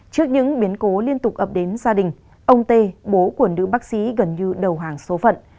trước những biến cố liên tục ập đến gia đình ông tê bố của nữ bác sĩ gần như đầu hàng số phận